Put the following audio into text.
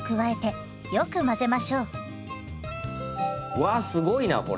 わすごいなこれ！